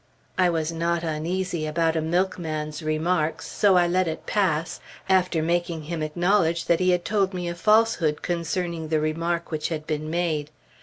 I was not uneasy about a milkman's remarks, so I let it pass, after making him acknowledge that he had told me a falsehood concerning the remark which had been made.